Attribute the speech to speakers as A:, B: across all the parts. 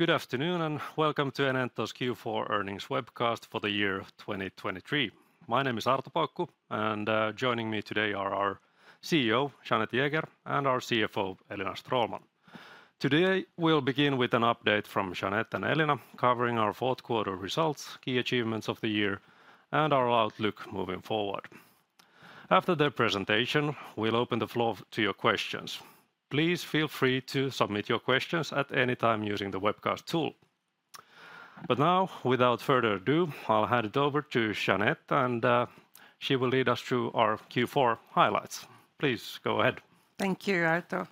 A: Good afternoon, and welcome to Enento's Q4 earnings webcast for the year of 2023. My name is Arto Paukku, and joining me today are our CEO, Jeanette Jäger, and our CFO, Elina Stråhlman. Today, we'll begin with an update from Jeanette and Elina, covering our fourth quarter results, key achievements of the year, and our outlook moving forward. After their presentation, we'll open the floor to your questions. Please feel free to submit your questions at any time using the webcast tool. But now, without further ado, I'll hand it over to Jeanette, and she will lead us through our Q4 highlights. Please go ahead.
B: Thank you, Arto.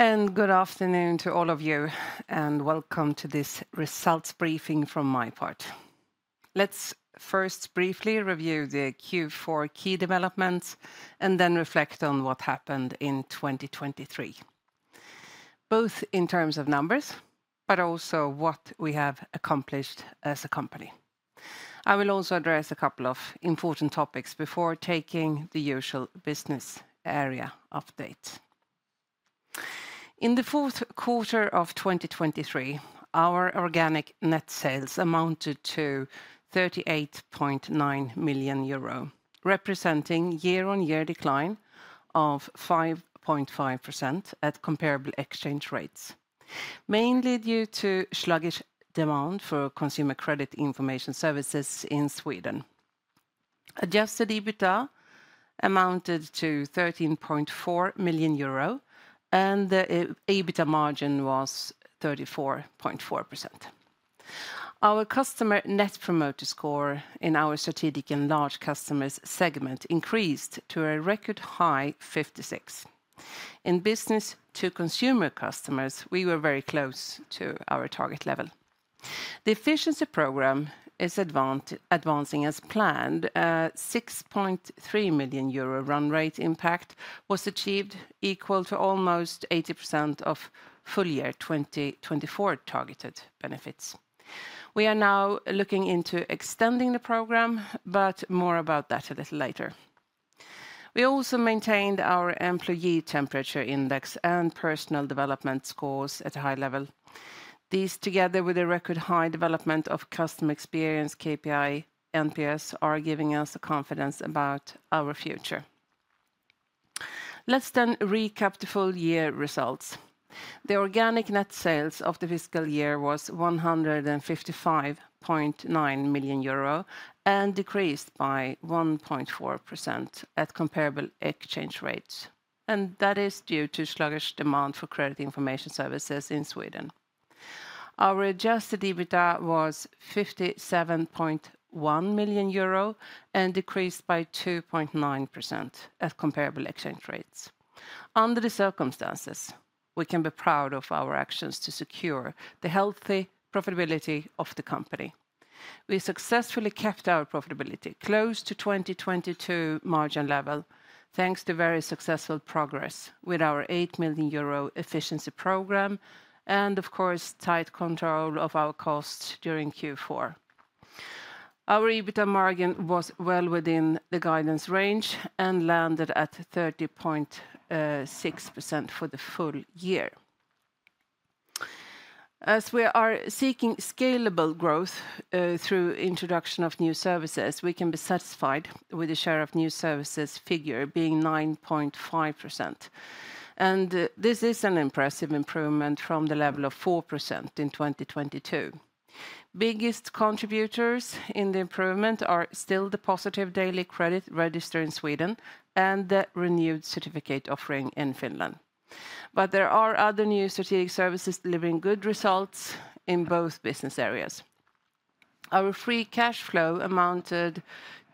B: Good afternoon to all of you, and welcome to this results briefing from my part. Let's first briefly review the Q4 key developments and then reflect on what happened in 2023, both in terms of numbers, but also what we have accomplished as a company. I will also address a couple of important topics before taking the usual business area update. In the fourth quarter of 2023, our organic net sales amounted to 38.9 million euro, representing year-on-year decline of 5.5% at comparable exchange rates, mainly due to sluggish demand for consumer credit information services in Sweden. Adjusted EBITDA amounted to 13.4 million euro, and the EBITDA margin was 34.4%. Our customer Net Promoter Score in our strategic and large customers segment increased to a record high 56. In business-to-consumer customers, we were very close to our target level. The efficiency program is advancing as planned. 6.3 million euro run rate impact was achieved, equal to almost 80% of full year 2024 targeted benefits. We are now looking into extending the program, but more about that a little later. We also maintained our employee temperature index and personal development scores at a high level. These, together with a record high development of customer experience, KPI, NPS, are giving us the confidence about our future. Let's then recap the full year results. The organic net sales of the fiscal year was 155.9 million euro and decreased by 1.4% at comparable exchange rates, and that is due to sluggish demand for credit information services in Sweden. Our adjusted EBITDA was 57.1 million euro and decreased by 2.9% at comparable exchange rates. Under the circumstances, we can be proud of our actions to secure the healthy profitability of the company. We successfully kept our profitability close to 2022 margin level, thanks to very successful progress with our 8 million euro efficiency program and, of course, tight control of our costs during Q4. Our EBITDA margin was well within the guidance range and landed at 30.6% for the full year. As we are seeking scalable growth through introduction of new services, we can be satisfied with the share of new services figure being 9.5%. This is an impressive improvement from the level of 4% in 2022. Biggest contributors in the improvement are still the positive Daily Credit Register in Sweden and the renewed certificate offering in Finland. But there are other new strategic services delivering good results in both business areas. Our free cash flow amounted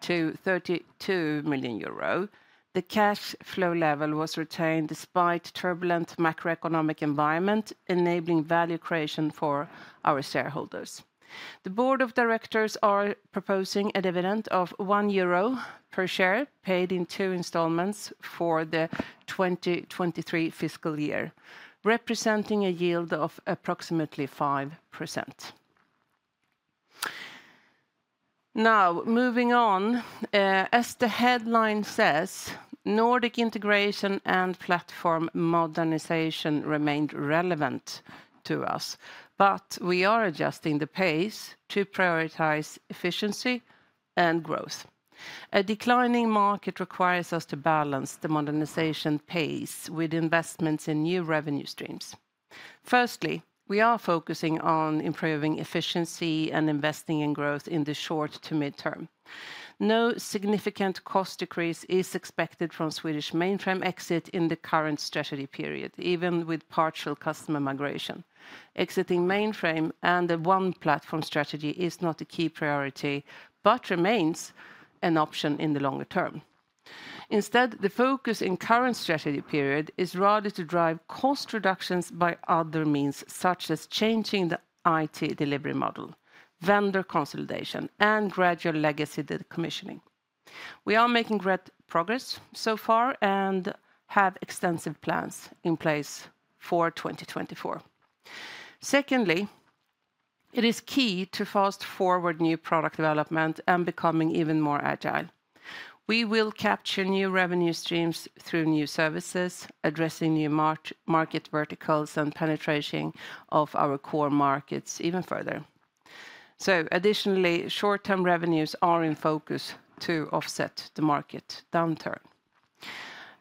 B: to 32 million euro. The cash flow level was retained despite turbulent macroeconomic environment, enabling value creation for our shareholders. The Board of Directors are proposing a dividend of 1 euro per share, paid in two installments for the 2023 fiscal year, representing a yield of approximately 5%. Now, moving on, as the headline says, Nordic integration and platform modernization remained relevant to us, but we are adjusting the pace to prioritize efficiency and growth. A declining market requires us to balance the modernization pace with investments in new revenue streams. Firstly, we are focusing on improving efficiency and investing in growth in the short to mid-term. No significant cost decrease is expected from Swedish mainframe exit in the current strategy period, even with partial customer migration. Exiting mainframe and the One Platform strategy is not a key priority, but remains an option in the longer term. Instead, the focus in current strategy period is rather to drive cost reductions by other means, such as changing the IT delivery model, vendor consolidation, and gradual legacy decommissioning. We are making great progress so far and have extensive plans in place for 2024. Secondly, it is key to fast forward new product development and becoming even more agile. We will capture new revenue streams through new services, addressing new market verticals and penetration of our core markets even further. So additionally, short-term revenues are in focus to offset the market downturn.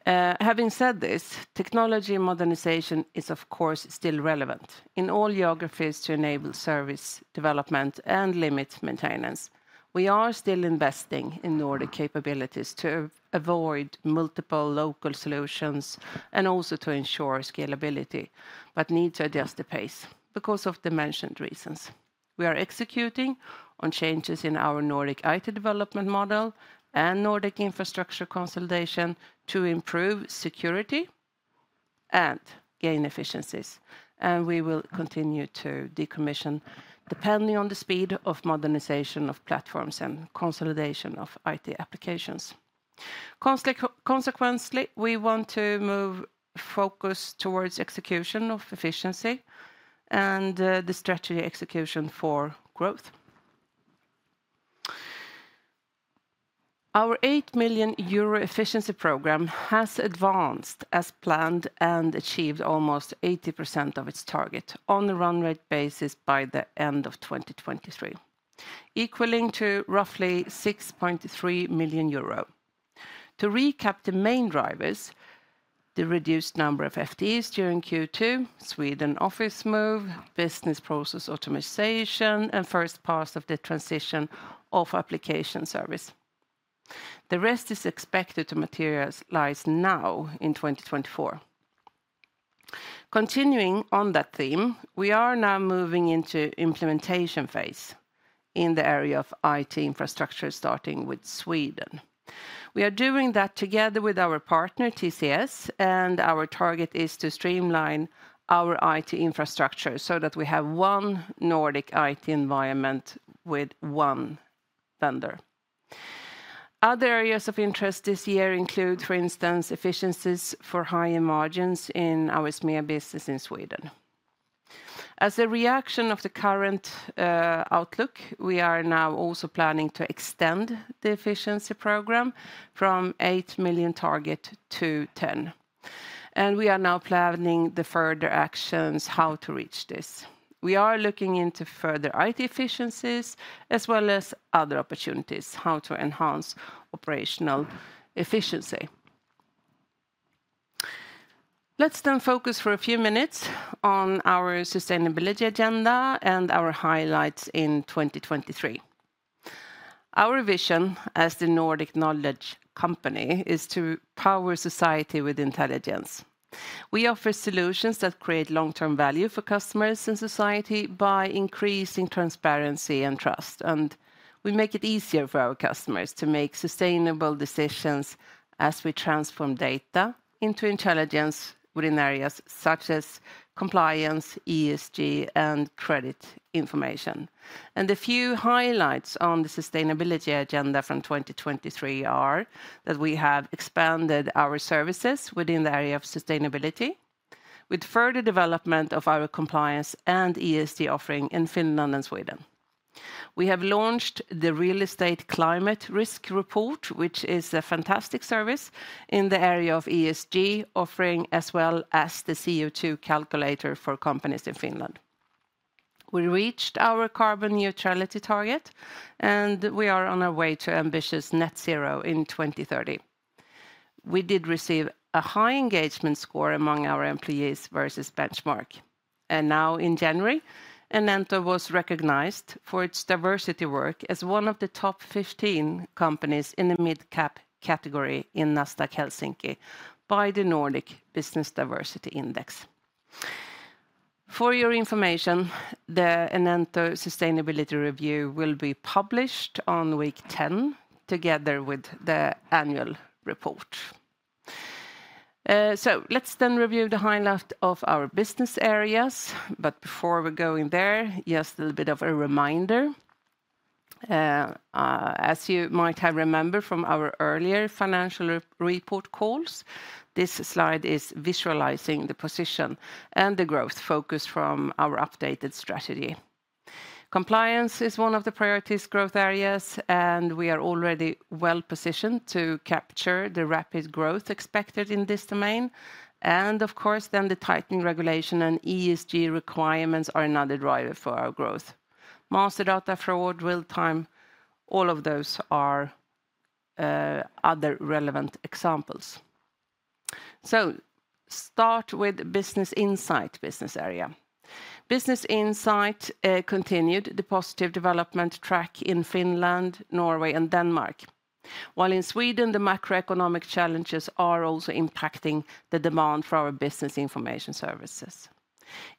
B: Having said this, technology and modernization is, of course, still relevant in all geographies to enable service, development, and limit maintenance. We are still investing in Nordic capabilities to avoid multiple local solutions and also to ensure scalability, but need to adjust the pace because of the mentioned reasons. We are executing on changes in our Nordic IT development model and Nordic infrastructure consolidation to improve security and gain efficiencies, and we will continue to decommission, depending on the speed of modernization of platforms and consolidation of IT applications. Consequently, we want to move focus towards execution of efficiency and the strategy execution for growth. Our 8 million euro efficiency program has advanced as planned and achieved almost 80% of its target on the run rate basis by the end of 2023, equaling to roughly 6.3 million euro. To recap the main drivers, the reduced number of FTEs during Q2, Sweden office move, business process optimization, and first pass of the transition of application service. The rest is expected to materialize now in 2024. Continuing on that theme, we are now moving into implementation phase in the area of IT infrastructure, starting with Sweden. We are doing that together with our partner, TCS, and our target is to streamline our IT infrastructure so that we have one Nordic IT environment with one vendor. Other areas of interest this year include, for instance, efficiencies for higher margins in our SMEs business in Sweden. As a reaction of the current outlook, we are now also planning to extend the efficiency program from 8 million target to 10 million, and we are now planning the further actions how to reach this. We are looking into further IT efficiencies, as well as other opportunities, how to enhance operational efficiency. Let's then focus for a few minutes on our sustainability agenda and our highlights in 2023. Our vision as the Nordic knowledge company is to power society with intelligence. We offer solutions that create long-term value for customers in society by increasing transparency and trust, and we make it easier for our customers to make sustainable decisions as we transform data into intelligence within areas such as compliance, ESG, and credit information. A few highlights on the sustainability agenda from 2023 are that we have expanded our services within the area of sustainability with further development of our compliance and ESG offering in Finland and Sweden. We have launched the Real Estate Climate Risk Report, which is a fantastic service in the area of ESG offering, as well as the CO2 calculator for companies in Finland. We reached our carbon neutrality target, and we are on our way to ambitious net zero in 2030. We did receive a high engagement score among our employees versus benchmark. And now in January, Enento was recognized for its diversity work as one of the top 15 companies in the mid-cap category in Nasdaq Helsinki by the Nordic Business Diversity Index. For your information, the Enento Sustainability Review will be published on week 10, together with the annual report. So let's then review the highlight of our business areas, but before we go in there, just a little bit of a reminder. As you might have remembered from our earlier financial report calls, this slide is visualizing the position and the growth focus from our updated strategy. Compliance is one of the priorities growth areas, and we are already well positioned to capture the rapid growth expected in this domain. Of course, then the tightening regulation and ESG requirements are another driver for our growth. Master data, fraud, real time, all of those are other relevant examples. Start with Business Insight business area. Business Insight continued the positive development track in Finland, Norway, and Denmark. While in Sweden, the macroeconomic challenges are also impacting the demand for our business information services.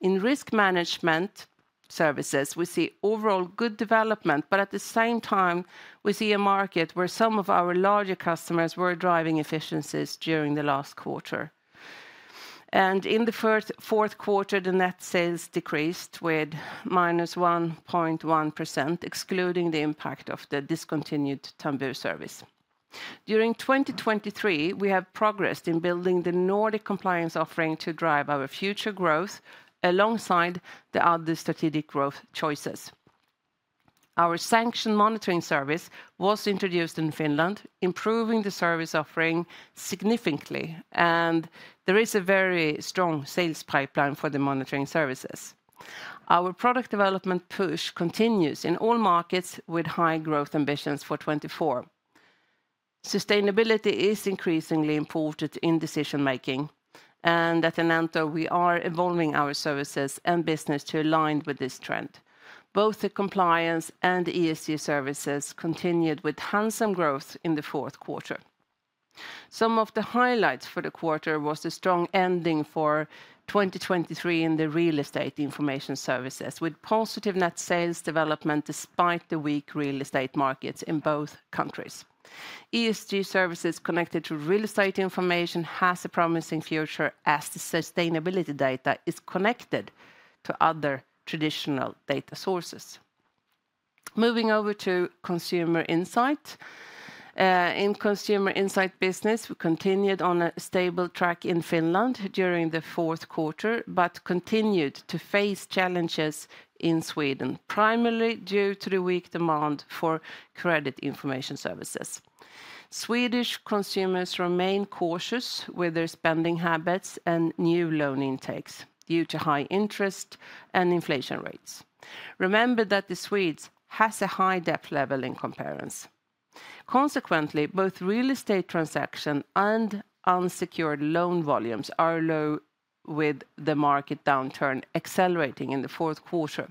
B: In risk management services, we see overall good development, but at the same time, we see a market where some of our larger customers were driving efficiencies during the last quarter. In the fourth quarter, the net sales decreased with -1.1%, excluding the impact of the discontinued Tambur service. During 2023, we have progressed in building the Nordic compliance offering to drive our future growth alongside the other strategic growth choices. Our sanction monitoring service was introduced in Finland, improving the service offering significantly, and there is a very strong sales pipeline for the monitoring services. Our product development push continues in all markets with high growth ambitions for 2024. Sustainability is increasingly important in decision making, and at Enento, we are evolving our services and business to align with this trend. Both the compliance and ESG services continued with handsome growth in the fourth quarter. Some of the highlights for the quarter was the strong ending for 2023 in the real estate information services, with positive net sales development despite the weak real estate markets in both countries. ESG services connected to real estate information has a promising future as the sustainability data is connected to other traditional data sources. Moving over to Consumer Insight. In Consumer Insight business, we continued on a stable track in Finland during the fourth quarter, but continued to face challenges in Sweden, primarily due to the weak demand for credit information services. Swedish consumers remain cautious with their spending habits and new loan intakes due to high interest and inflation rates. Remember that the Swedes has a high debt level in comparison. Consequently, both real estate transaction and unsecured loan volumes are low, with the market downturn accelerating in the fourth quarter.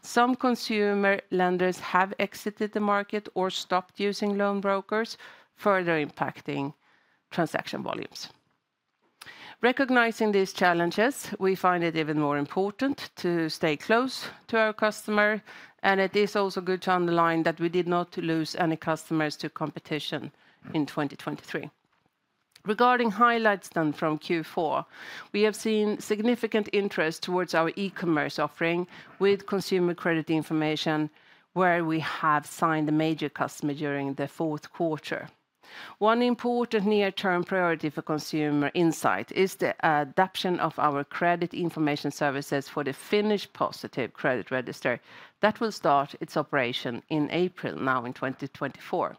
B: Some consumer lenders have exited the market or stopped using loan brokers, further impacting transaction volumes. Recognizing these challenges, we find it even more important to stay close to our customer, and it is also good to underline that we did not lose any customers to competition in 2023. Regarding highlights then from Q4, we have seen significant interest toward our e-commerce offering with consumer credit information, where we have signed a major customer during the fourth quarter. One important near-term priority for Consumer Insight is the adoption of our credit information services for the Finnish Positive Credit Register. That will start its operation in April, now in 2024.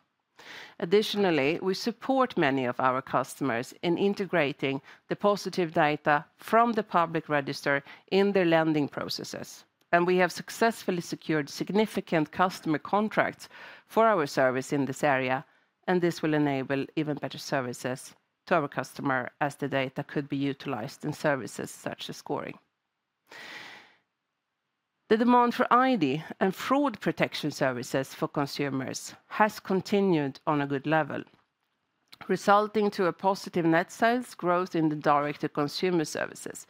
B: Additionally, we support many of our customers in integrating the positive data from the public register in their lending processes, and we have successfully secured significant customer contracts for our service in this area, and this will enable even better services to our customer as the data could be utilized in services such as scoring. The demand for ID and fraud protection services for consumers has continued on a good level, resulting to a positive net sales growth in the Direct-to-consumer services.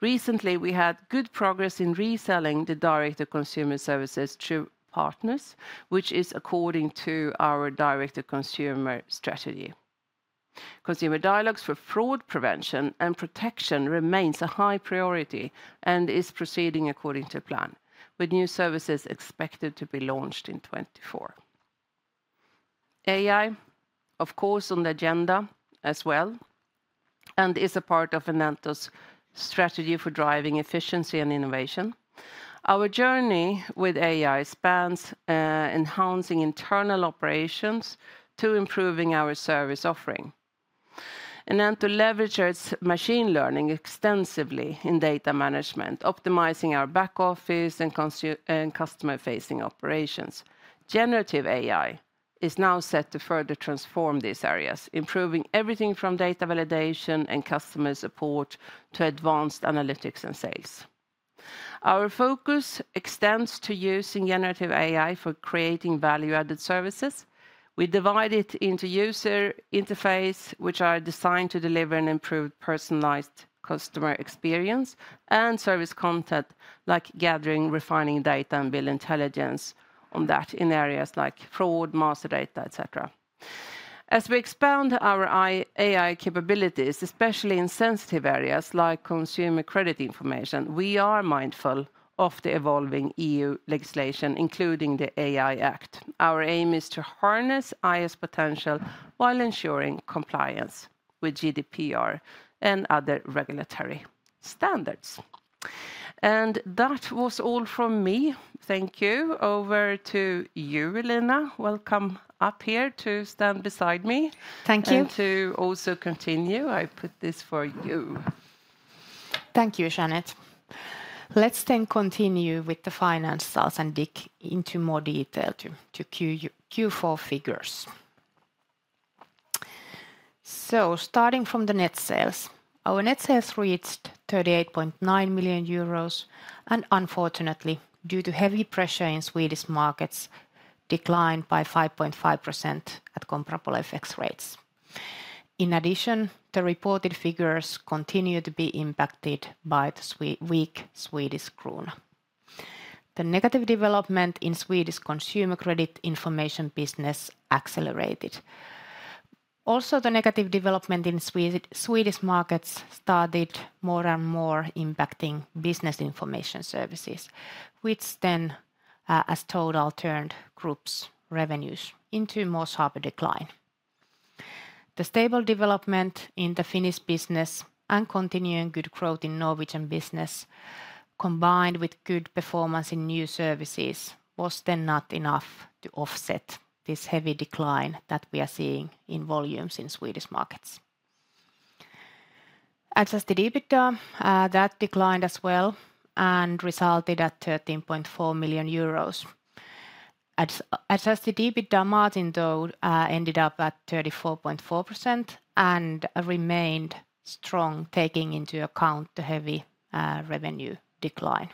B: Recently, we had good progress in reselling the Direct-to-consumer services to partners, which is according to our Direct-to-consumer strategy. Consumer dialogues for fraud prevention and protection remains a high priority and is proceeding according to plan, with new services expected to be launched in 2024. AI, of course, on the agenda as well, and is a part of Enento's strategy for driving efficiency and innovation. Our journey with AI spans enhancing internal operations to improving our service offering. Enento leverages machine learning extensively in data management, optimizing our back office and customer-facing operations. Generative AI is now set to further transform these areas, improving everything from data validation and customer support to advanced analytics and sales. Our focus extends to using generative AI for creating value-added services. We divide it into user interface, which are designed to deliver an improved, personalized customer experience, and service content, like gathering, refining data, and build intelligence on that in areas like fraud, master data, et cetera. As we expand our AI capabilities, especially in sensitive areas like consumer credit information, we are mindful of the evolving EU legislation, including the AI Act. Our aim is to harness AI's potential while ensuring compliance with GDPR and other regulatory standards. That was all from me. Thank you. Over to you, Elina. Well, come up here to stand beside me-
C: Thank you.
B: And to also continue. I put this for you.
C: Thank you, Jeanette. Let's then continue with the finance slides and dig into more detail to Q4 figures. So starting from the net sales, our net sales reached 38.9 million euros, and unfortunately, due to heavy pressure in Swedish markets, declined by 5.5% at comparable FX rates. In addition, the reported figures continue to be impacted by the weak Swedish Krona. The negative development in Swedish consumer credit information business accelerated. Also, the negative development in Swedish markets started more and more impacting business information services, which then, as total turned group's revenues into more sharper decline. The stable development in the Finnish business and continuing good growth in Norwegian business, combined with good performance in new services, was then not enough to offset this heavy decline that we are seeing in volumes in Swedish markets. Adjusted EBITDA that declined as well and resulted at 13.4 million euros. Adjusted EBITDA margin, though, ended up at 34.4% and remained strong, taking into account the heavy revenue decline.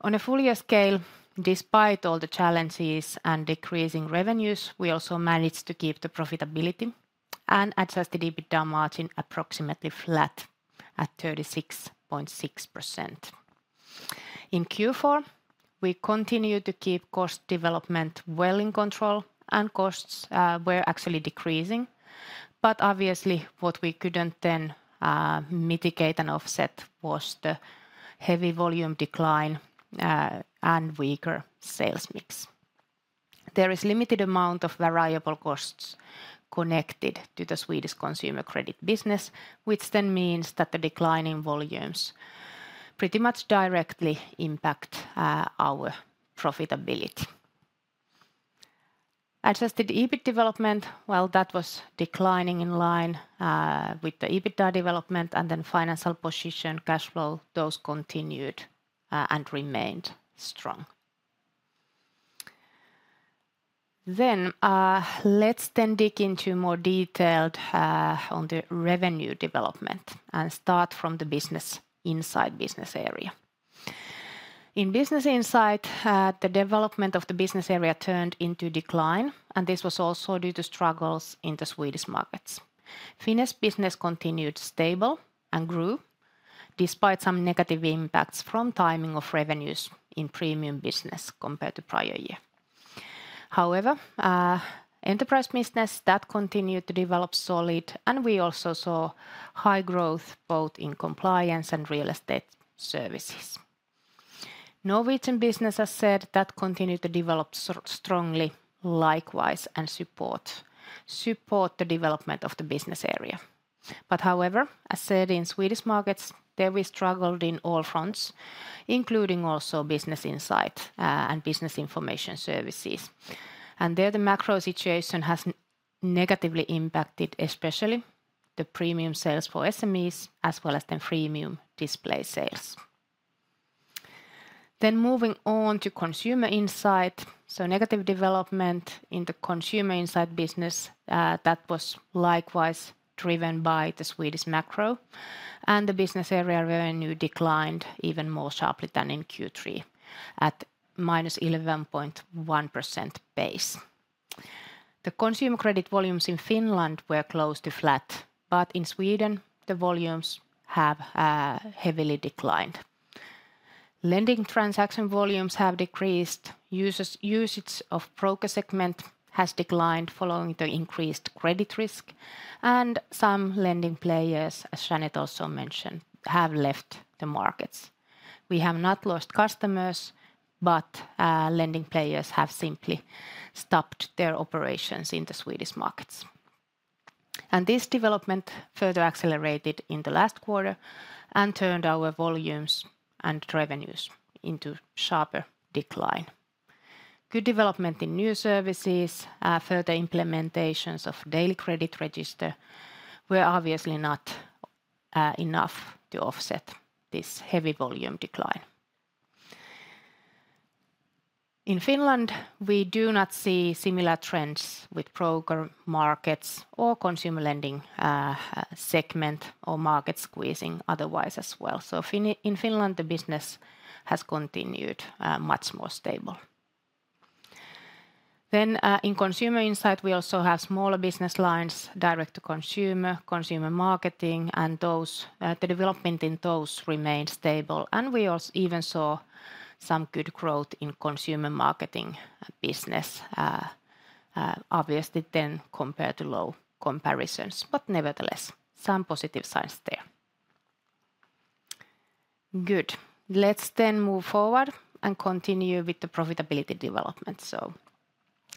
C: On a full year scale, despite all the challenges and decreasing revenues, we also managed to keep the profitability and Adjusted EBITDA margin approximately flat at 36.6%. In Q4, we continued to keep cost development well in control, and costs were actually decreasing. But obviously, what we couldn't then mitigate and offset was the heavy volume decline and weaker sales mix. There is limited amount of variable costs connected to the Swedish consumer credit business, which then means that the decline in volumes pretty much directly impact our profitability. Adjusted EBIT development, well, that was declining in line with the EBITDA development, and then financial position cash flow, those continued and remained strong. Then, let's then dig into more detailed on the revenue development and start from the Business Insight business area. In Business Insight, the development of the business area turned into decline, and this was also due to struggles in the Swedish markets. Finnish business continued stable and grew, despite some negative impacts from timing of revenues in premium business compared to prior year. However, enterprise business, that continued to develop solid, and we also saw high growth both in compliance and real estate services. Norwegian business, as said, that continued to develop strongly likewise and support the development of the business area. However, as said, in Swedish markets, there we struggled in all fronts, including also Business Insight and Business Information Services. There, the macro situation has negatively impacted, especially the premium sales for SMEs, as well as the freemium display sales. Moving on to Consumer Insight. Negative development in the Consumer Insight business, that was likewise driven by the Swedish macro, and the business area revenue declined even more sharply than in Q3 at -11.1% base. The consumer credit volumes in Finland were close to flat, but in Sweden, the volumes have heavily declined. Lending transaction volumes have decreased. Usage of broker segment has declined following the increased credit risk, and some lending players, as Jeanette also mentioned, have left the markets. We have not lost customers, but lending players have simply stopped their operations in the Swedish markets. This development further accelerated in the last quarter and turned our volumes and revenues into sharper decline. Good development in new services, further implementations of Daily Credit Register, were obviously not enough to offset this heavy volume decline. In Finland, we do not see similar trends with broker markets or consumer lending segment or market squeezing otherwise as well. In Finland, the business has continued much more stable. In Consumer Insight, we also have smaller business lines, Direct-to-consumer, Consumer Marketing, and those, the development in those remained stable. We also even saw some good growth in consumer marketing business, obviously then compared to low comparisons, but nevertheless, some positive signs there. Good. Let's then move forward and continue with the profitability development.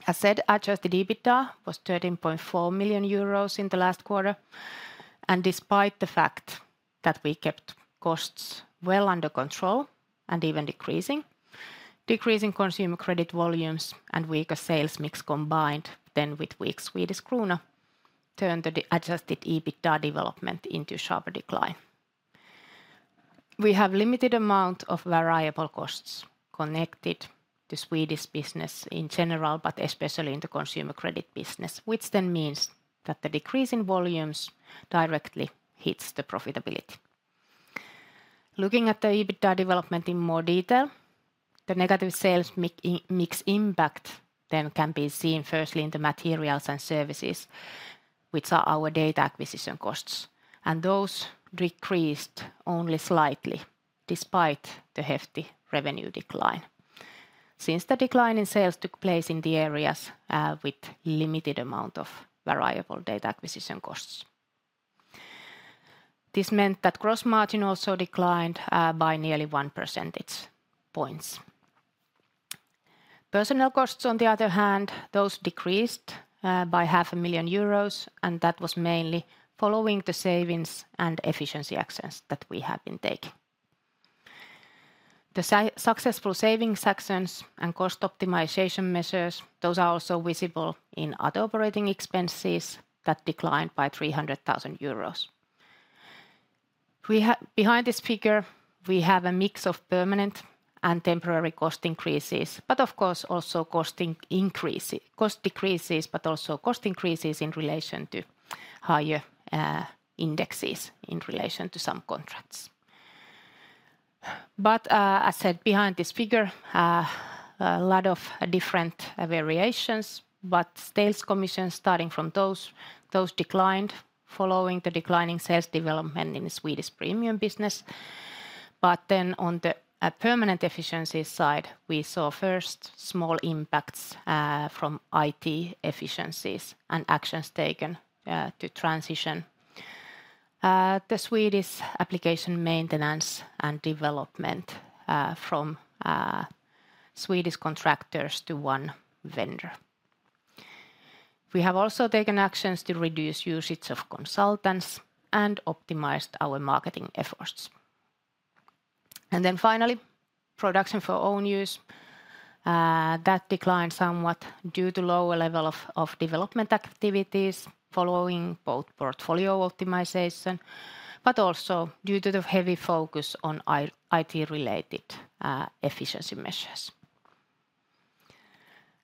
C: So as said, adjusted EBITDA was 13.4 million euros in the last quarter, and despite the fact that we kept costs well under control and even decreasing consumer credit volumes and weaker sales mix combined, then with weak Swedish Krona, turned the adjusted EBITDA development into sharper decline. We have limited amount of variable costs connected to Swedish business in general, but especially in the consumer credit business, which then means that the decrease in volumes directly hits the profitability. Looking at the EBITDA development in more detail, the negative sales mix impact then can be seen firstly in the materials and services, which are our data acquisition costs, and those decreased only slightly despite the hefty revenue decline. Since the decline in sales took place in the areas with limited amount of variable data acquisition costs. This meant that gross margin also declined by nearly one percentage points. Personnel costs, on the other hand, those decreased by 500,000 euros, and that was mainly following the savings and efficiency actions that we have been taking. The successful savings actions and cost optimization measures, those are also visible in other operating expenses that declined by 300,000 euros. Behind this figure, we have a mix of permanent and temporary cost increases, but of course, also cost decreases, but also cost increases in relation to higher indexes in relation to some contracts. But, as said, behind this figure, a lot of different variations, but sales commission, starting from those, declined following the declining sales development in the Swedish premium business. But then on the permanent efficiency side, we saw first small impacts from IT efficiencies and actions taken to transition the Swedish application maintenance and development from Swedish contractors to one vendor. We have also taken actions to reduce usage of consultants and optimized our marketing efforts. And then finally, production for own use that declined somewhat due to lower level of development activities following both portfolio optimization, but also due to the heavy focus on IT-related efficiency measures.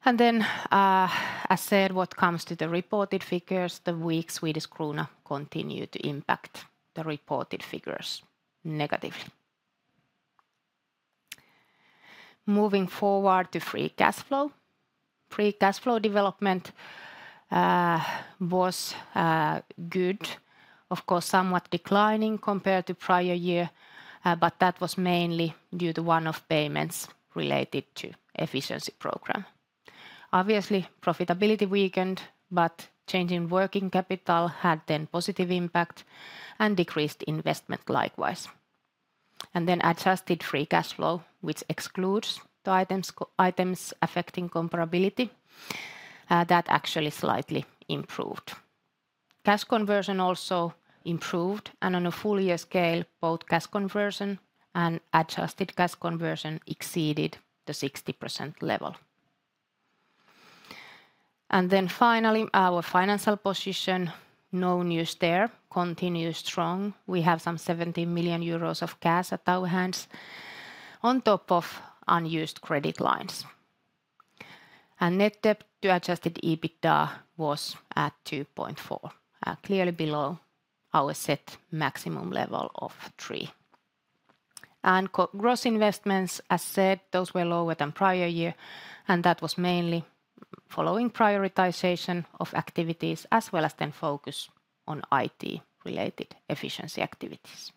C: And then, as said, what comes to the reported figures, the weak Swedish Krona continued to impact the reported figures negatively. Moving forward to free cash flow. Free cash flow development was good, of course, somewhat declining compared to prior year, but that was mainly due to one-off payments related to efficiency program. Obviously, profitability weakened, but change in working capital had then positive impact and decreased investment likewise. And then adjusted free cash flow, which excludes the items affecting comparability, that actually slightly improved. Cash conversion also improved, and on a full year scale, both cash conversion and adjusted cash conversion exceeded the 60% level. And then finally, our financial position, no news there, continue strong. We have some 70 million euros of cash at our hands, on top of unused credit lines. And net debt to adjusted EBITDA was at 2.4% clearly below our set maximum level of 3. Gross investments, as said, those were lower than prior year, and that was mainly following prioritization of activities, as well as then focus on IT-related efficiency activities.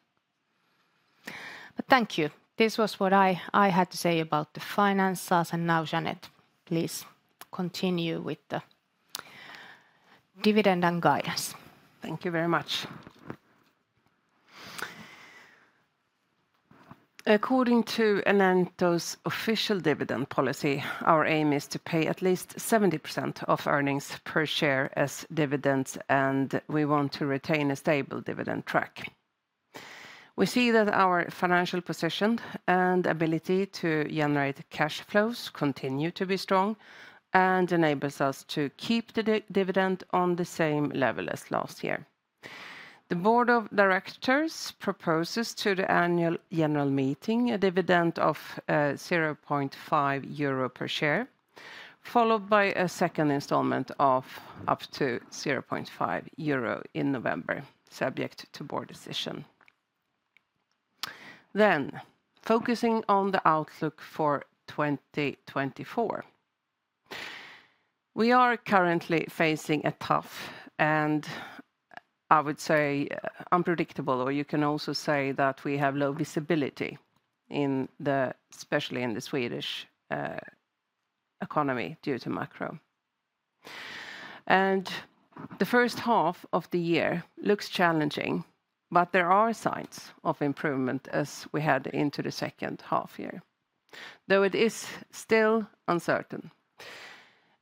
C: But thank you. This was what I, I had to say about the finances. And now, Jeanette, please continue with the dividend and guidance.
B: Thank you very much. According to Enento's official dividend policy, our aim is to pay at least 70% of earnings per share as dividends, and we want to retain a stable dividend track. We see that our financial position and ability to generate cash flows continue to be strong and enables us to keep the dividend on the same level as last year. The board of directors proposes to the annual general meeting a dividend of 0.5 euro per share, followed by a second installment of up to 0.5 euro in November, subject to board decision. Then, focusing on the outlook for 2024. We are currently facing a tough, and I would say unpredictable, or you can also say that we have low visibility in the especially in the Swedish economy, due to macro. And the first half of the year looks challenging, but there are signs of improvement as we head into the second half year, though it is still uncertain.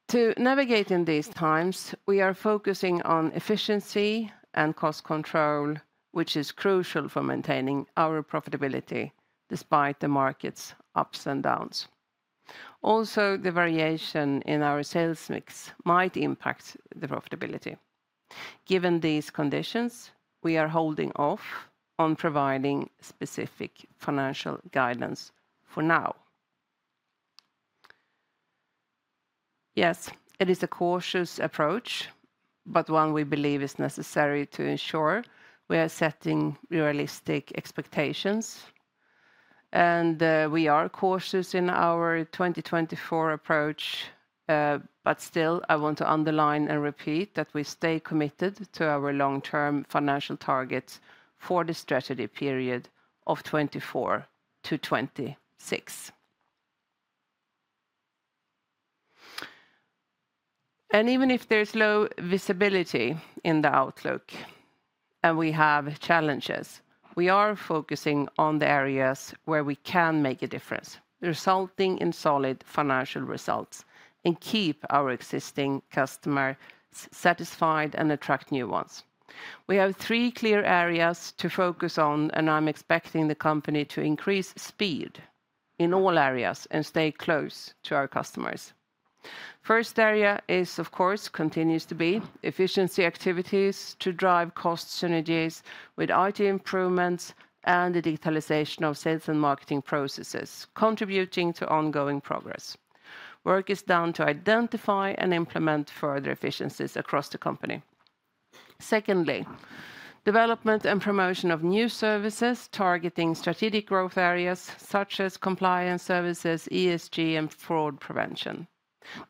B: To navigate in these times, we are focusing on efficiency and cost control, which is crucial for maintaining our profitability despite the market's ups and downs. Also, the variation in our sales mix might impact the profitability. Given these conditions, we are holding off on providing specific financial guidance for now. Yes, it is a cautious approach, but one we believe is necessary to ensure we are setting realistic expectations. And, we are cautious in our 2024 approach. But still, I want to underline and repeat that we stay committed to our long-term financial targets for the strategy period of 2024-2026. Even if there's low visibility in the outlook and we have challenges, we are focusing on the areas where we can make a difference, resulting in solid financial results, and keep our existing customers satisfied and attract new ones. We have three clear areas to focus on, and I'm expecting the company to increase speed in all areas and stay close to our customers. First area is, of course, continues to be efficiency activities to drive cost synergies with IT improvements and the digitalization of sales and marketing processes, contributing to ongoing progress. Work is done to identify and implement further efficiencies across the company. Secondly, development and promotion of new services targeting strategic growth areas such as compliance services, ESG, and fraud prevention.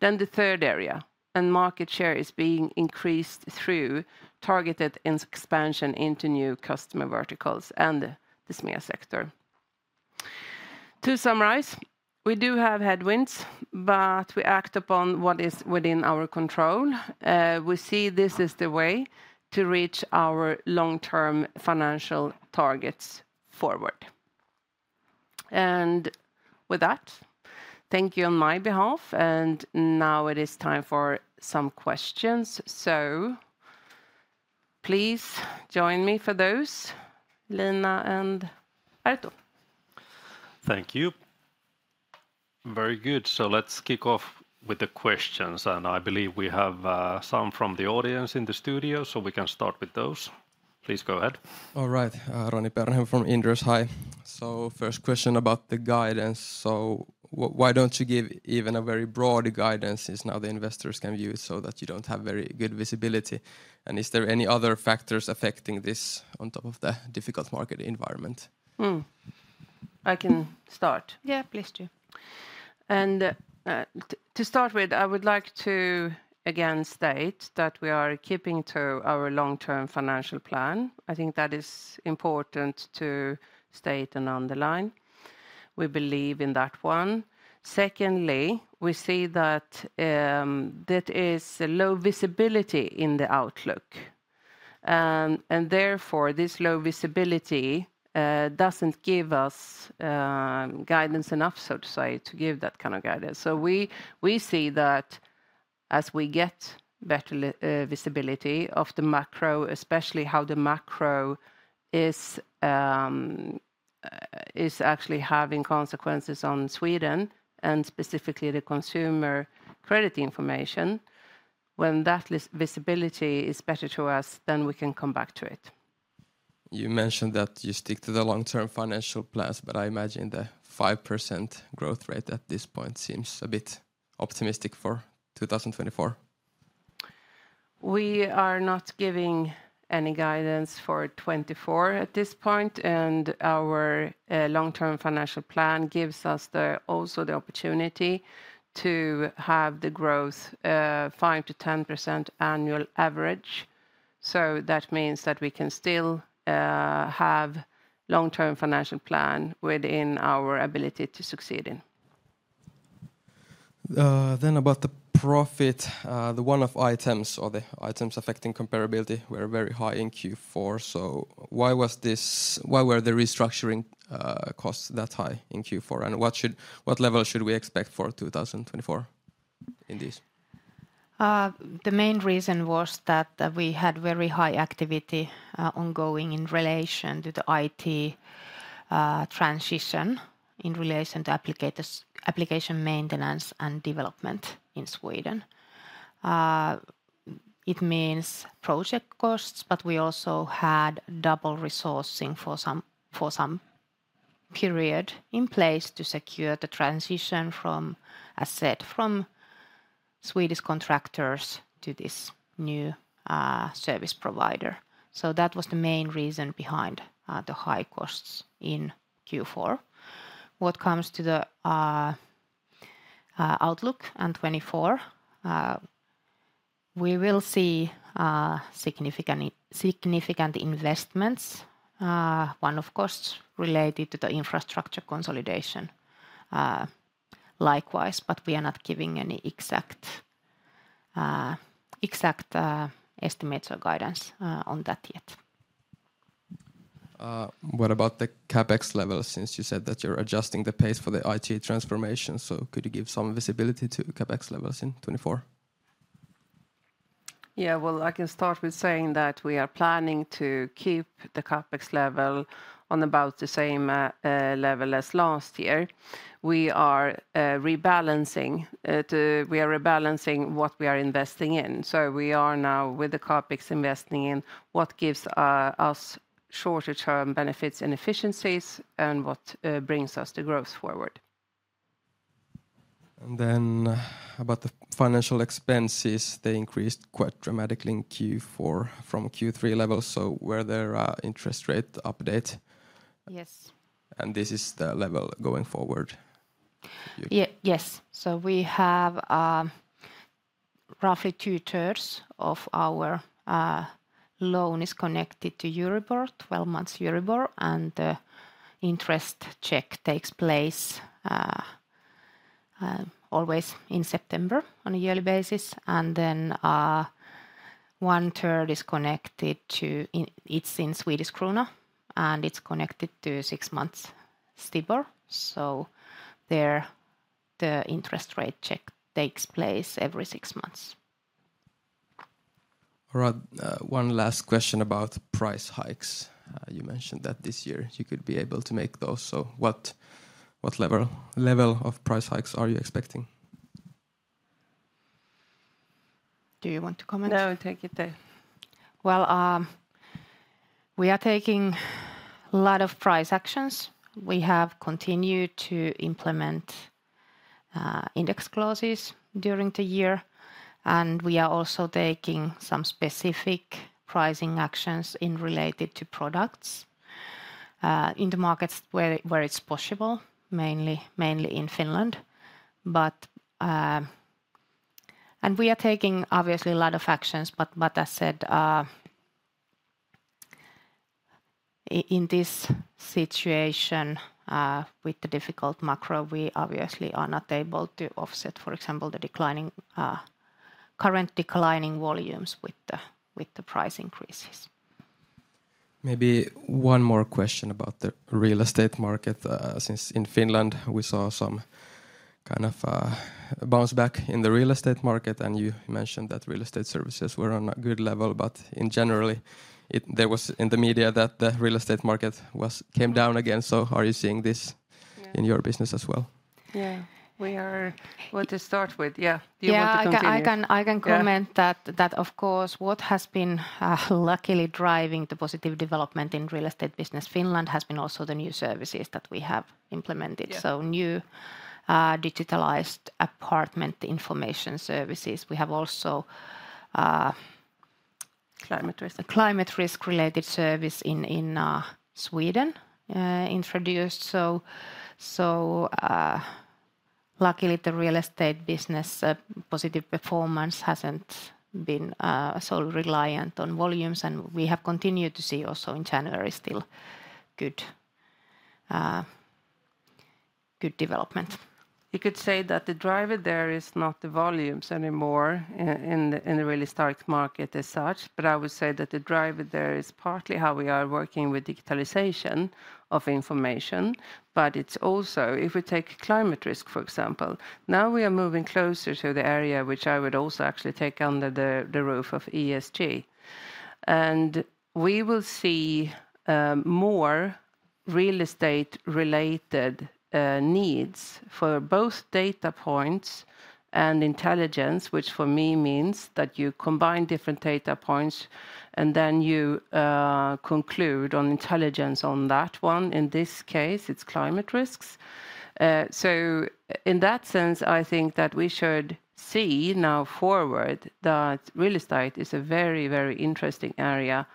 B: Then the third area, and market share is being increased through targeted expansion into new customer verticals and the SME sector. To summarize, we do have headwinds, but we act upon what is within our control. We see this is the way to reach our long-term financial targets forward. And with that, thank you on my behalf, and now it is time for some questions. So please join me for those, Elina and Arto.
A: Thank you. Very good. So let's kick off with the questions, and I believe we have some from the audience in the studio, so we can start with those. Please go ahead.
D: All right. Roni Peuranheimo from Inderes. Hi. So first question about the guidance: so why don't you give even a very broad guidance as now the investors can use so that you don't have very good visibility? And is there any other factors affecting this on top of the difficult market environment?
B: Mm. I can start.
C: Yeah, please do.
B: To start with, I would like to again state that we are keeping to our long-term financial plan. I think that is important to state and underline. We believe in that one. Secondly, we see that there is low visibility in the outlook. And therefore, this low visibility doesn't give us guidance enough, so to say, to give that kind of guidance. So we see that as we get better visibility of the macro, especially how the macro is actually having consequences on Sweden and specifically the consumer credit information, when that visibility is better to us, then we can come back to it.
D: You mentioned that you stick to the long-term financial plans, but I imagine the 5% growth rate at this point seems a bit optimistic for 2024.
B: We are not giving any guidance for 2024 at this point, and our long-term financial plan gives us the, also the opportunity to have the growth 5%-10% annual average. So that means that we can still have long-term financial plan within our ability to succeed in.
D: Then about the profit, the one-off items or the items affecting comparability were very high in Q4, so why was this, why were the restructuring costs that high in Q4? And what should, what level should we expect for 2024 in this?
C: The main reason was that we had very high activity ongoing in relation to the IT transition in relation to application maintenance and development in Sweden. It means project costs, but we also had double resourcing for some period in place to secure the transition from asset from Swedish contractors to this new service provider. So that was the main reason behind the high costs in Q4. What comes to the outlook and 2024, we will see significant investments. One of course related to the infrastructure consolidation likewise, but we are not giving any exact estimates or guidance on that yet.
D: What about the CapEx levels, since you said that you're adjusting the pace for the IT transformation? Could you give some visibility to CapEx levels in 2024?
B: Yeah, well, I can start with saying that we are planning to keep the CapEx level on about the same level as last year. We are rebalancing what we are investing in. So we are now, with the CapEx, investing in what gives us shorter-term benefits and efficiencies and what brings us the growth forward.
D: Then about the financial expenses, they increased quite dramatically in Q4 from Q3 levels, so were there interest rate update?
C: Yes.
D: This is the level going forward?
C: Yes. So we have, roughly 2/3 of our loan is connected to Euribor, 12 months Euribor, and interest check takes place always in September on a yearly basis. And then, one-third is connected to it's in Swedish Krona, and it's connected to 6 months STIBOR. So there, the interest rate check takes place every 6 months.
D: All right, one last question about price hikes. You mentioned that this year you could be able to make those, so what level of price hikes are you expecting?
C: Do you want to comment?
B: No, take it there.
C: Well, we are taking a lot of price actions. We have continued to implement index clauses during the year, and we are also taking some specific pricing actions in related to products in the markets where it's possible, mainly in Finland. But, and we are taking obviously a lot of actions, but as said, in this situation with the difficult macro, we obviously are not able to offset, for example, the declining current declining volumes with the price increases.
D: Maybe one more question about the real estate market. Since in Finland we saw some kind of bounce back in the real estate market, and you mentioned that real estate services were on a good level. But in general, there was in the media that the real estate market came down again, so are you seeing this in your business as well?
C: Yeah.
B: Well, to start with, yeah. Do you want to continue?
C: Yeah, I can-
B: Yeah
C: .I can comment that, that of course, what has been, luckily driving the positive development in real estate business Finland has been also the new services that we have implemented. So new, digitalized apartment information services. We have also,
B: Climate risk.
C: Climate risk-related service in Sweden introduced. So, luckily, the real estate business positive performance hasn't been so reliant on volumes, and we have continued to see also in January still good good development.
B: You could say that the driver there is not the volumes anymore in the real estate market as such, but I would say that the driver there is partly how we are working with digitalization of information. But it's also, if we take climate risk, for example, now we are moving closer to the area which I would also actually take under the roof of ESG. And we will see more real estate-related needs for both data points and intelligence, which for me means that you combine different data points, and then you conclude on intelligence on that one. In this case, it's climate risks. So in that sense, I think that we should see now forward that real estate is a very, very interesting area,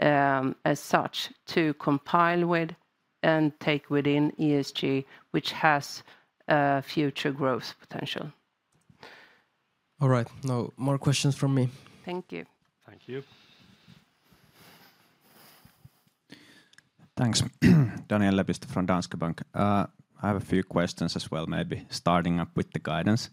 B: as such, to comply with and take within ESG, which has future growth potential.
D: All right. No more questions from me.
C: Thank you.
B: Thank you.
E: Thanks, Daniel Lepistö from Danske Bank. I have a few questions as well, maybe starting up with the guidance.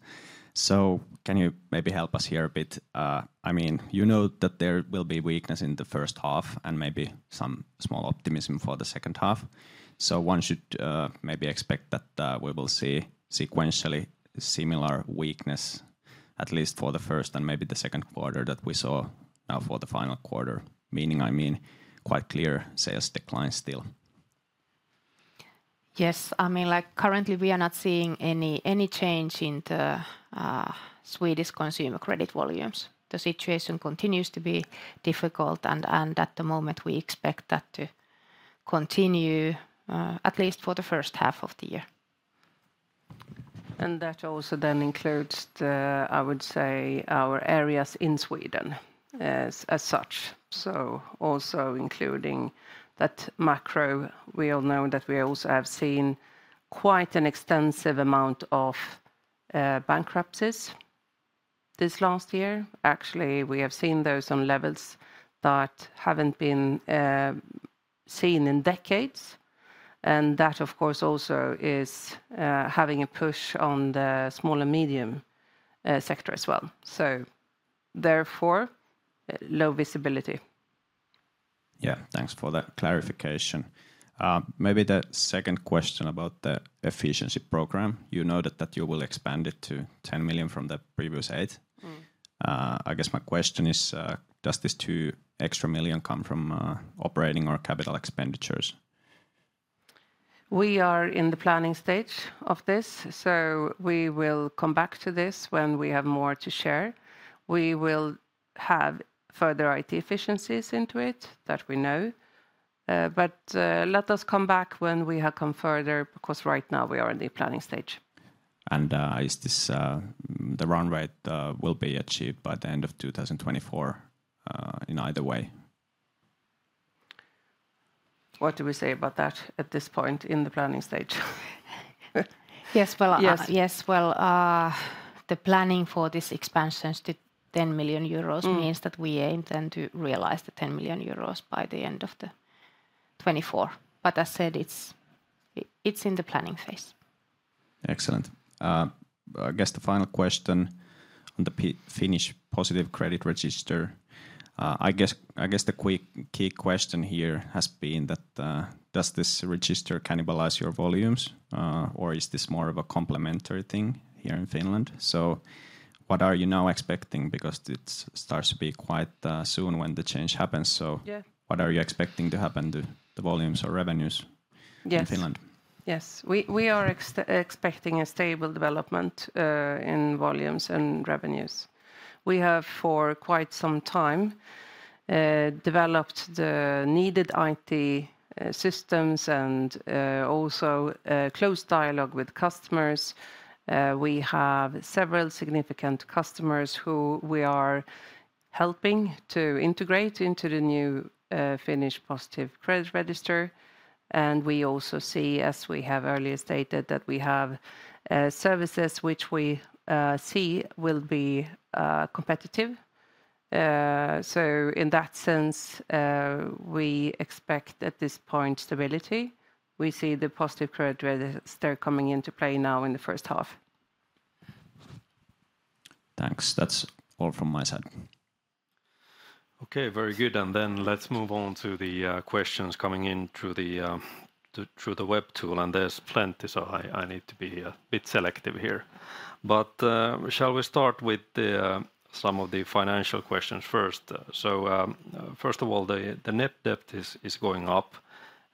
E: So can you maybe help us here a bit? I mean, you know that there will be weakness in the first half and maybe some small optimism for the second half, so one should, maybe expect that, we will see sequentially similar weakness, at least for the first and maybe the second quarter that we saw, for the final quarter. Meaning, I mean, quite clear sales decline still.
C: Yes. I mean, like, currently we are not seeing any change in the Swedish consumer credit volumes. The situation continues to be difficult, and at the moment, we expect that to continue, at least for the first half of the year.
B: That also then includes the, I would say, our areas in Sweden as such, so also including that macro. We all know that we also have seen quite an extensive amount of bankruptcies this last year. Actually, we have seen those on levels that haven't been seen in decades, and that, of course, also is having a push on the small and medium sector as well, so therefore, low visibility.
E: Yeah. Thanks for that clarification. Maybe the second question about the efficiency program. You know that you will expand it to 10 million from the previous 8.
B: Mm.
E: I guess my question is, does this 2 million extra come from operating or capital expenditures?
B: We are in the planning stage of this, so we will come back to this when we have more to share. We will have further IT efficiencies into it, that we know. But let us come back when we have come further, because right now we are in the planning stage.
E: Is this the run rate will be achieved by the end of 2024 in either way?
B: What do we say about that at this point in the planning stage?
C: Yes, well-
B: Yes.
C: Yes, well, the planning for this expansion is to 10 million euros. Means that we intend to realize the 10 million euros by the end of the 2024. But as said, it's in the planning phase.
E: Excellent. I guess the final question on the Finnish Positive Credit Register, I guess, the quick key question here has been that, does this register cannibalize your volumes? Or is this more of a complementary thing here in Finland? So what are you now expecting? Because it's starts to be quite soon when the change happens, so-
C: Yeah.
E: What are you expecting to happen to the volumes or revenues?
B: Yes
E: In Finland?
B: Yes. We are expecting a stable development in volumes and revenues. We have for quite some time developed the needed IT systems and also close dialogue with customers. We have several significant customers who we are helping to integrate into the new Finnish Positive Credit Register. And we also see, as we have earlier stated, that we have services which we see will be competitive. So in that sense we expect, at this point, stability. We see the Positive Credit Register coming into play now in the first half.
E: Thanks. That's all from my side.
A: Okay, very good. Then let's move on to the questions coming in through the web tool, and there's plenty, so I need to be a bit selective here. But shall we start with some of the financial questions first? So, first of all, the net debt is going up.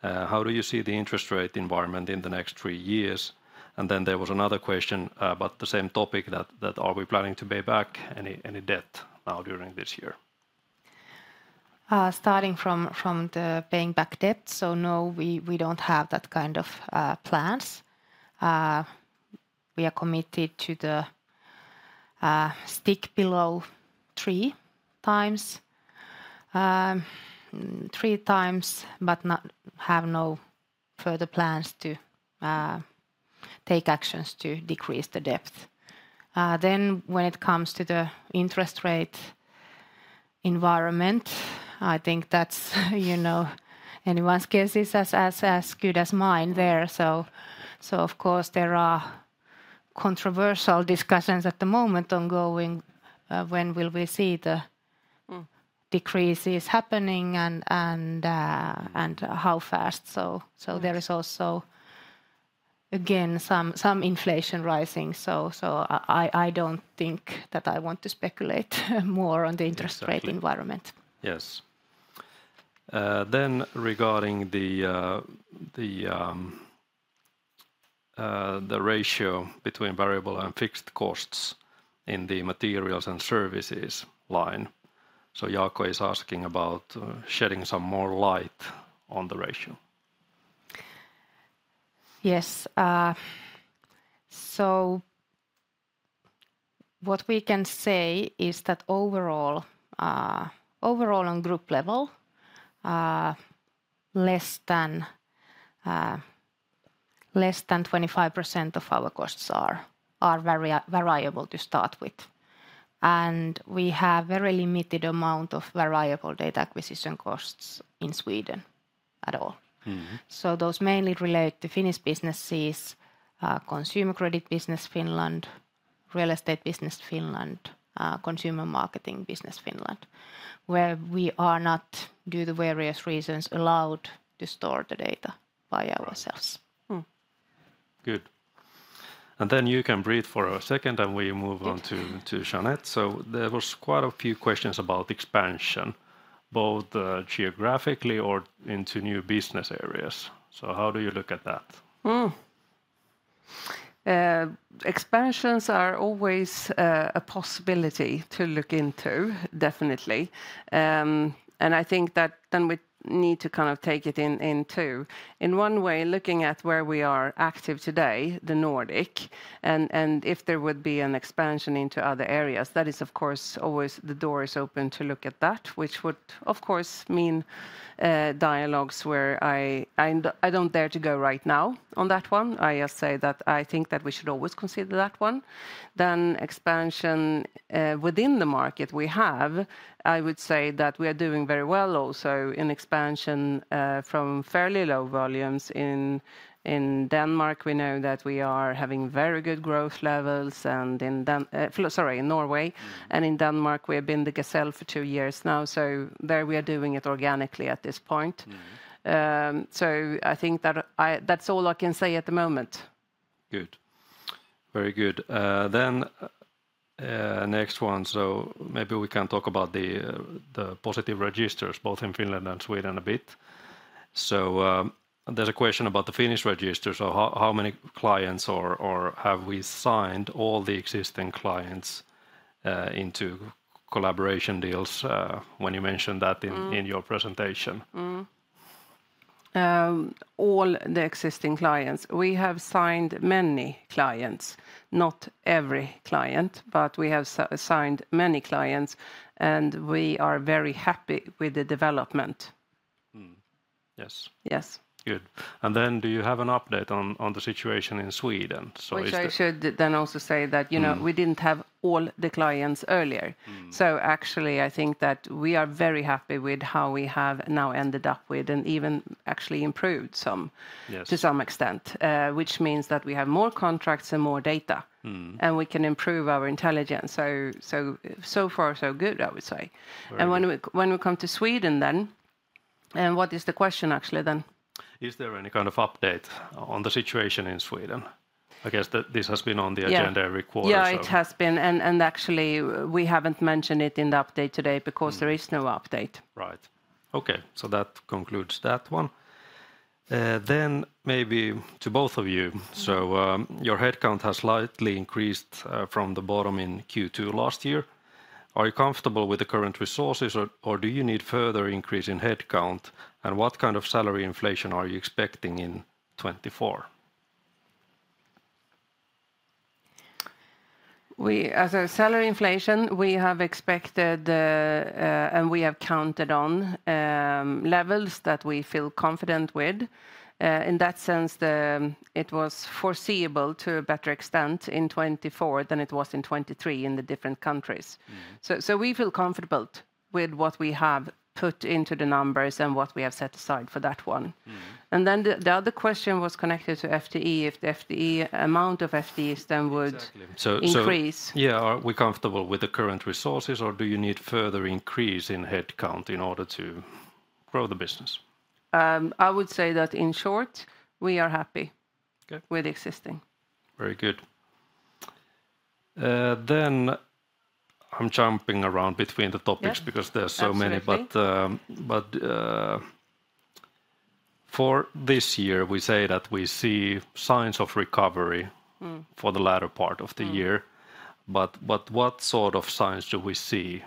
A: How do you see the interest rate environment in the next three years? And then there was another question about the same topic, that are we planning to pay back any debt now during this year?
C: Starting from the paying back debt, so no, we don't have that kind of plans. We are committed to the stick below three times. Three times, but not, have no further plans to take actions to decrease the debt. Then when it comes to the interest rate environment, I think that's, you know, anyone's guess is as good as mine there. So of course, there are controversial discussions at the moment ongoing, when will we see the decreases happening and how fast. So there is also, again, some inflation rising, so I don't think that I want to speculate more on the interest rate environment.
A: Yes. Then regarding the ratio between variable and fixed costs in the materials and services line, so Jaakko is asking about shedding moral light in the ratio.
C: Yes. So what we can say is that overall, overall on group level, less than 25% of our costs are very variable to start with, and we have very limited amount of variable data acquisition costs in Sweden at all.
A: Mm-hmm.
C: Those mainly relate to Finnish businesses, consumer credit business Finland, real estate business Finland, consumer marketing business Finland, where we are not, due to various reasons, allowed to store the data by ourselves.
A: Right.
C: Mm.
A: Good. And then you can breathe for a second, and we move on to-
C: Okay
A: to Jeanette. So there was quite a few questions about expansion, both geographically or into new business areas. So how do you look at that?
B: Expansions are always a possibility to look into, definitely. I think that then we need to kind of take it in two. In one way, looking at where we are active today, the Nordic, and if there would be an expansion into other areas, that is, of course, always the door is open to look at that, which would, of course, mean dialogues where I... And I don't dare to go right now on that one. I just say that I think that we should always consider that one. Then expansion within the market we have, I would say that we are doing very well also in expansion from fairly low volumes in Denmark. We know that we are having very good growth levels, and in Den- sorry, in Norway.
A: Mm.
B: In Denmark, we have been the Gazelle for two years now, so there we are doing it organically at this point.
A: Mm.
B: I think that I... That's all I can say at the moment.
A: Good. Very good. Then, next one, so maybe we can talk about the positive registers both in Finland and Sweden a bit. So, there's a question about the Finnish register. So how many clients or have we signed all the existing clients into collaboration deals when you mentioned that-
B: Mm
A: in your presentation.
B: All the existing clients. We have signed many clients, not every client, but we have signed many clients, and we are very happy with the development.
A: Mm. Yes.
B: Yes.
A: Good. And then do you have an update on the situation in Sweden? So is the-
B: Which I should then also say that, you know-
A: Mm...
B: we didn't have all the clients earlier. So actually, I think that we are very happy with how we have now ended up with, and even actually improved some-
A: Yes...
B: to some extent. Which means that we have more contracts and more data.
A: Mm.
B: We can improve our intelligence. So far so good, I would say.
A: Very good.
B: And when we come to Sweden then... And what is the question actually, then?
A: Is there any kind of update on the situation in Sweden? I guess that this has been on the agenda-
B: Yeah...
A: every quarter, so-
B: Yeah, it has been. And, and actually, we haven't mentioned it in the update today, because there is no update.
A: Right. Okay, so that concludes that one. Then maybe to both of you. So your headcount has slightly increased from the bottom in Q2 last year. Are you comfortable with the current resources or do you need further increase in headcount? And what kind of salary inflation are you expecting in 2024?
B: As a salary inflation, we have expected, and we have counted on, levels that we feel confident with. In that sense, it was foreseeable to a better extent in 2024 than it was in 2023 in the different countries.
A: Mm.
B: So, we feel comfortable with what we have put into the numbers and what we have set aside for that one.
A: Mm-hmm.
B: And then the other question was connected to FTE, if the FTE amount of FTEs then would-
A: Exactly. So,
B: -increase.
A: Yeah, are we comfortable with the current resources, or do you need further increase in headcount in order to grow the business?
B: I would say that, in short, we are happy-
A: Good...
B: with the existing.
A: Very good. I'm jumping around between the topics-
B: Yeah...
A: because there are so many.
B: Absolutely.
A: But for this year, we say that we see signs of recovery.
B: Mm...
A: for the latter part of the year. But what sort of signs do we see?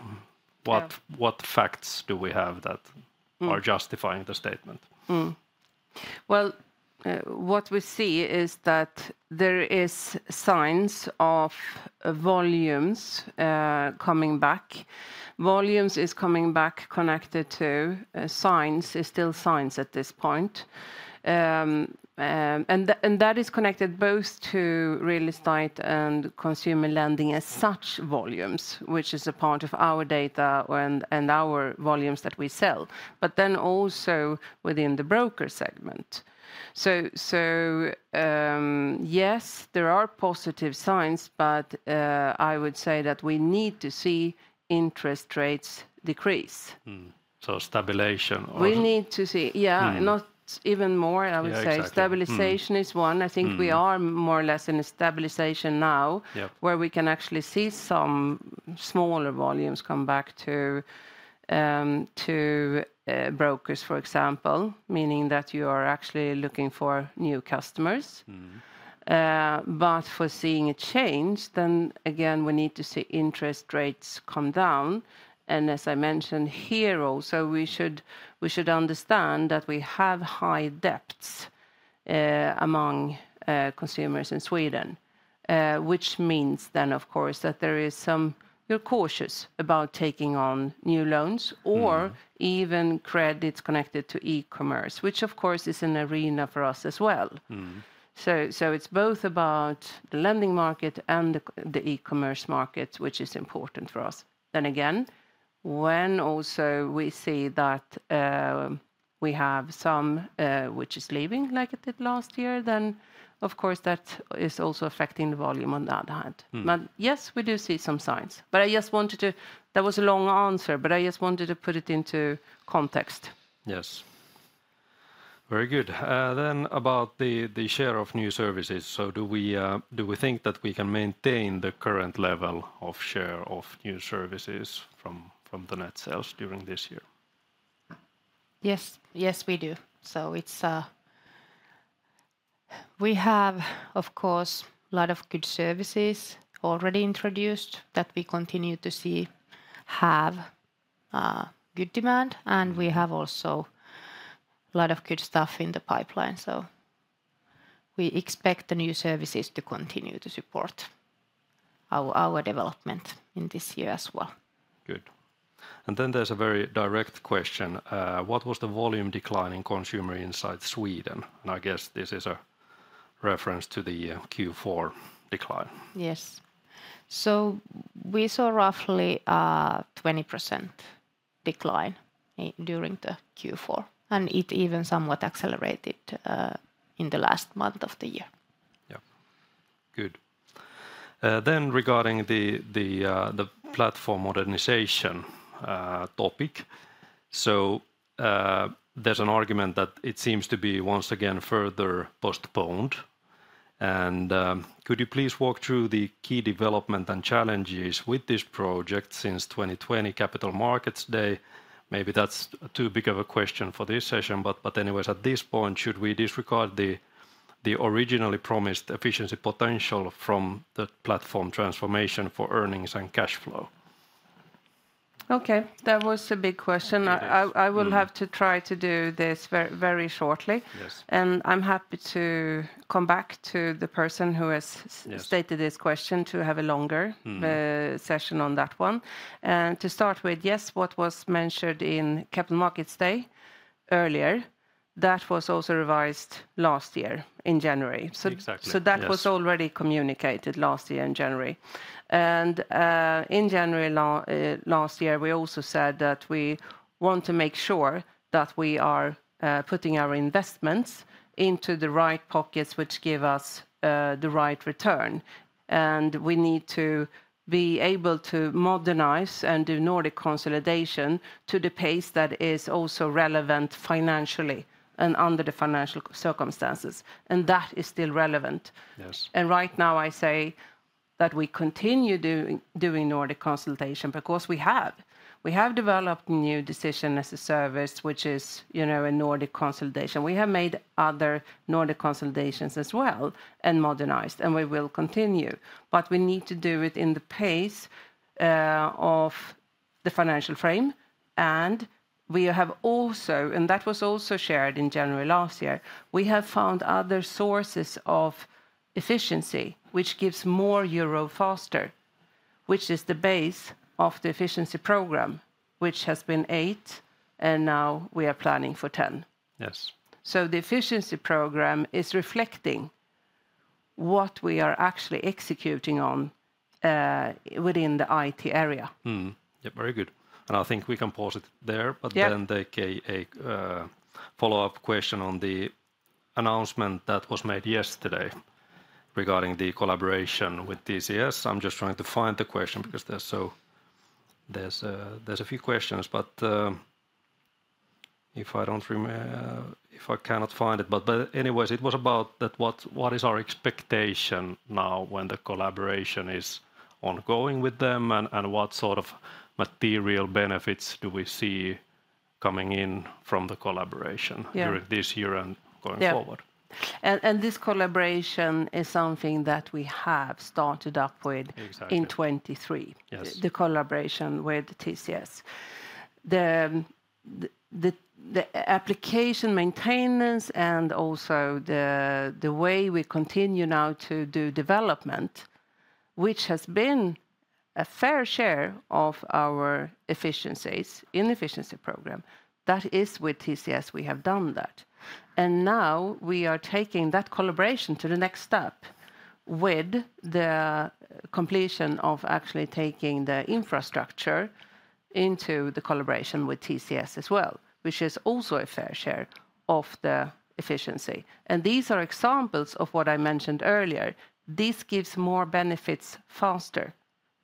A: But, what facts do we have that-
B: Mm...
A: are justifying the statement?
B: Well, what we see is that there is signs of volumes coming back. Volumes is coming back connected to signs, it's still signs at this point. And that is connected both to real estate and consumer lending as such volumes, which is a part of our data and our volumes that we sell, but then also within the broker segment. So, yes, there are positive signs, but I would say that we need to see interest rates decrease.
A: So stabilization or-
B: We need to see... Yeah-
A: Mm...
B: not even more, I would say.
A: Yeah, exactly.
B: Stabilization is one.
A: Mm.
B: I think we are more or less in a stabilization now.
A: Yeah...
B: where we can actually see some smaller volumes come back to brokers, for example, meaning that you are actually looking for new customers.
A: Mm-hmm.
B: But for seeing a change, then again, we need to see interest rates come down. And as I mentioned here also, we should, we should understand that we have high debts among consumers in Sweden. Which means then, of course, that there is some- you're cautious about taking on new loans-
A: Mm...
B: or even credits connected to e-commerce, which of course is an arena for us as well.
A: Mm-hmm.
B: So, it's both about the lending market and the e-commerce market, which is important for us. Then again, when also we see that, we have some, which is leaving, like it did last year, then of course, that is also affecting the volume on the other hand.
A: Mm.
B: But yes, we do see some signs. But I just wanted to... That was a long answer, but I just wanted to put it into context.
A: Yes. Very good. Then about the, the share of new services. So do we, do we think that we can maintain the current level of share of new services from, from the net sales during this year?
C: Yes. Yes, we do. So it's. We have, of course, a lot of good services already introduced that we continue to see have good demand, and we have also a lot of good stuff in the pipeline. So we expect the new services to continue to support our, our development in this year as well.
A: Good. And then there's a very direct question: what was the volume decline in consumer inside Sweden? And I guess this is a reference to the Q4 decline.
C: Yes. So we saw roughly 20% decline during the Q4, and it even somewhat accelerated in the last month of the year.
A: Yeah. Good. Then regarding the platform modernization topic, so there's an argument that it seems to be once again further postponed. And could you please walk through the key development and challenges with this project since 2020 Capital Markets Day? Maybe that's too big of a question for this session, but anyways, at this point, should we disregard the originally promised efficiency potential from the platform transformation for earnings and cash flow?
B: Okay, that was a big question.
A: It is. Mm.
B: I will have to try to do this very shortly.
A: Yes.
B: I'm happy to come back to the person who has-
A: Yes...
B: stated this question, to have a longer-
A: Mm
B: session on that one. And to start with, yes, what was mentioned in Capital Markets Day earlier, that was also revised last year in January.
A: Exactly, yes.
B: So, so that was already communicated last year in January. And, in January last year, we also said that we want to make sure that we are, putting our investments into the right pockets, which give us, the right return. And we need to be able to modernize and do Nordic consolidation to the pace that is also relevant financially and under the financial circumstances, and that is still relevant.
A: Yes.
B: Right now, I say that we continue doing Nordic consolidation, because we have. We have developed new decision as a service, which is, you know, a Nordic consolidation. We have made other Nordic consolidations as well, and modernized, and we will continue. But we need to do it in the pace of the financial frame, and we have also. And that was also shared in January last year. We have found other sources of efficiency, which gives more euro faster, which is the base of the efficiency program, which has been 8, and now we are planning for 10.
A: Yes.
B: The efficiency program is reflecting what we are actually executing on within the IT area.
A: Mm-hmm. Yeah, very good. I think we can pause it there.
B: Yeah...
A: but then take a follow-up question on the announcement that was made yesterday regarding the collaboration with TCS. I'm just trying to find the question, because there's a few questions, but if I cannot find it. But anyways, it was about what is our expectation now when the collaboration is ongoing with them, and what sort of material benefits do we see coming in from the collaboration-
B: Yeah...
A: this year and going forward?
B: Yeah. And this collaboration is something that we have started up with-
A: Exactly...
B: in 2023-
A: Yes...
B: the collaboration with TCS. The application maintenance and also the way we continue now to do development, which has been a fair share of our efficiencies in efficiency program, that is with TCS. We have done that. And now we are taking that collaboration to the next step, with the completion of actually taking the infrastructure into the collaboration with TCS as well, which is also a fair share of the efficiency. And these are examples of what I mentioned earlier. This gives more benefits faster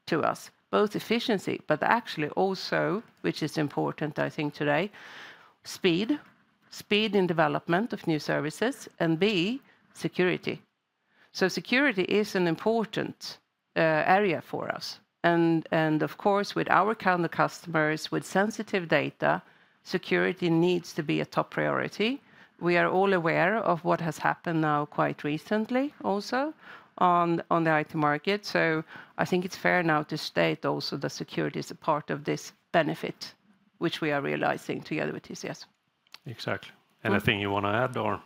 B: to us, both efficiency, but actually also, which is important, I think, today, speed: speed in development of new services, and security. So security is an important area for us. And of course, with our kind of customers, with sensitive data, security needs to be a top priority. We are all aware of what has happened now quite recently also on the IT market, so I think it's fair now to state also that security is a part of this benefit, which we are realizing together with TCS.
A: Exactly.
B: Mm.
A: Anything you want to add, or?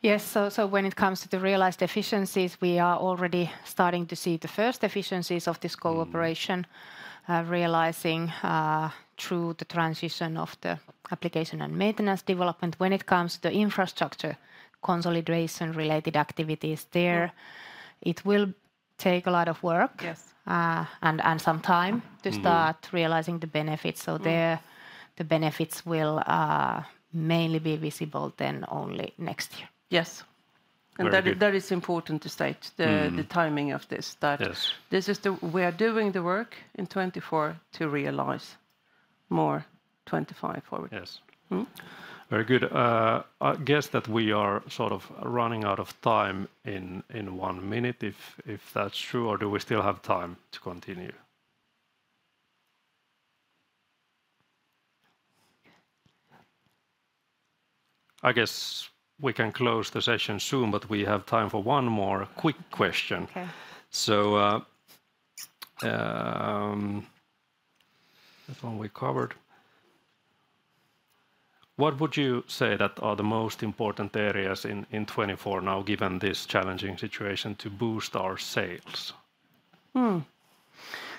C: Yes, so when it comes to the realized efficiencies, we are already starting to see the first efficiencies of this cooperation realizing through the transition of the application and maintenance development. When it comes to infrastructure consolidation related activities there it will take a lot of work.
B: Yes...
C: and some time-
A: Mm...
C: to start realizing the benefits. So there, the benefits will mainly be visible then only next year.
B: Yes.
A: Very good.
B: That is important to state-
A: Mm...
B: the timing of this-
A: Yes...
B: that this is we are doing the work in 2024 to realize more 25 forward.
A: Yes.
B: Mm.
A: Very good. I guess that we are sort of running out of time in one minute, if that's true, or do we still have time to continue? I guess we can close the session soon, but we have time for one more quick question.
B: Okay.
A: This one we covered. What would you say that are the most important areas in 2024 now, given this challenging situation to boost our sales?
B: Hmm.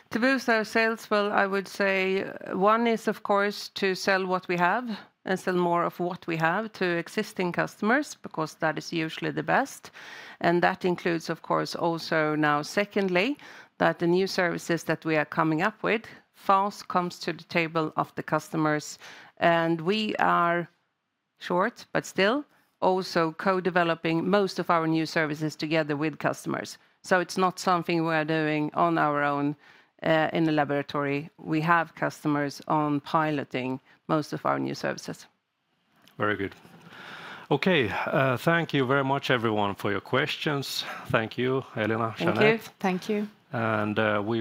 B: To boost our sales, well, I would say one is, of course, to sell what we have and sell more of what we have to existing customers, because that is usually the best. That includes, of course, also now, secondly, that the new services that we are coming up with fast comes to the table of the customers. We are short, but still also co-developing most of our new services together with customers. So it's not something we are doing on our own, in the laboratory. We have customers on piloting most of our new services.
A: Very good. Okay, thank you very much, everyone, for your questions. Thank you, Elina, Jeanette.
B: Thank you. Thank you.
A: And, we